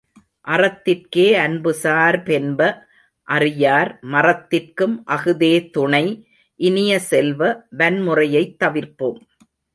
அறத்திற்கே அன்புசார் பென்ப அறியார் மறத்திற்கும் அஃதே துணை இனிய செல்வ, வன்முறையைத் தவிர்ப்போம்!